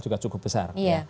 juga cukup besar